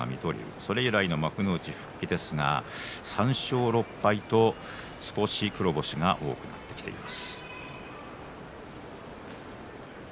それ以来の幕内復帰ですが３勝６敗と少し黒星が多くなってきています。